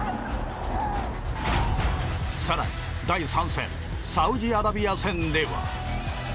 更に第３戦サウジアラビア戦では。